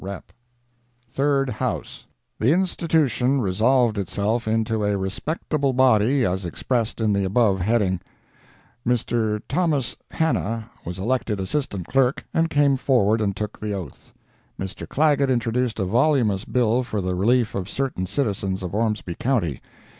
—REP.] THIRD HOUSE The institution resolved itself into a respectable body, as expressed in the above heading. Mr. Thos. Hannah was elected assistant Clerk, and came forward and took the oath. Mr. Clagett introduced a voluminous bill for the relief of certain citizens of Ormsby county.